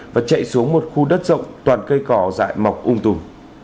và chạy xuống một khu đất rộng toàn cây cỏ dại mọc ung tùm